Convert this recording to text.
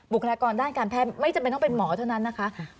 คลากรด้านการแพทย์ไม่จำเป็นต้องเป็นหมอเท่านั้นนะคะ